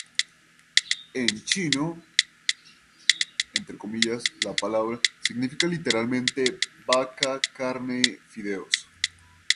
En Chino, "牛肉麵" significa literalmente "vaca-carne-fideos".